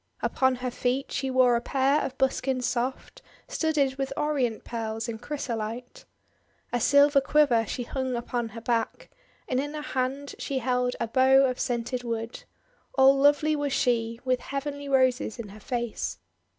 Upon her feet she wore a pair of buskins soft, studded with Orient Pearls and Chrysolite. A silver quiver she hung upon her back, and in her hand she held a bow of scented wood. All lovely was she, with heavenly Roses in her face.